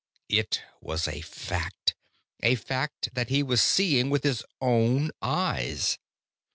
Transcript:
It was a fact, a fact that he was seeing with his own eyes.